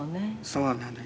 「そうなのよ」